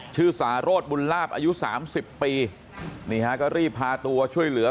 ชื่อสาโรธบุญลาบอายุ๓๐ปีนี่ฮะก็รีบพาตัวช่วยเหลือ